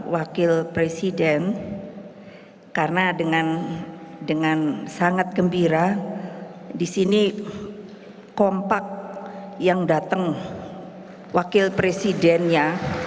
wakil presiden karena dengan sangat gembira disini kompak yang datang wakil presidennya